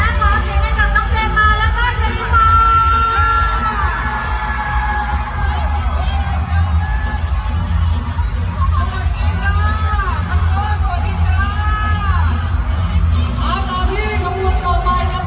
เอาต่อที่ข้อมูลต่อไปนะครับคุณผู้หลาสมนุษย์ลูกหกสวัสดีครับ